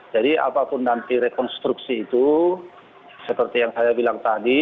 jadi apapun nanti rekonstruksi itu seperti apa yang saya bilang tadi